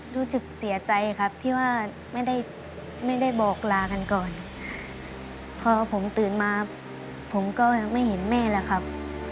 รู้สึกเสียใจครับที่ว่าไม่ได้ไม่ได้บอกลากันก่อนพอผมตื่นมาผมก็ไม่เห็นแม่แล้วครับ